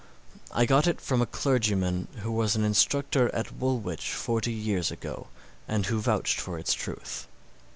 I got it from a clergyman who was an instructor at Woolwich forty years ago, and who vouched for its truth.